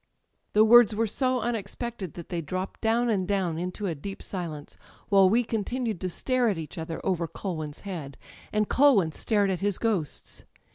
The words were so unexpected that they dropped down and down into a deep silence, while we con tinued to stare at each other over Culwin's head, and Culwin stared at his ghosts.